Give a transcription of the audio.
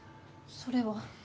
それは。